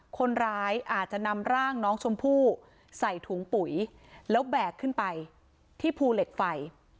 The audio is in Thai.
คนร้ายอาจจะนำร่างน้องชมพู่ใส่ถุงปุ๋ยแล้วแบกขึ้นไปที่ภูเหล็กไฟ